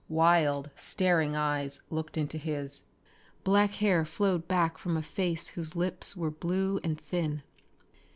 Wild, staring eyes looked into his. Black hair flowed back from a face whose lips were blue and thin.